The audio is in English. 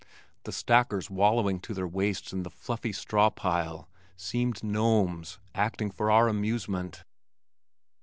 The stackers wallowing to their waists in the fluffy straw pile seemed gnomes acting for our amusement.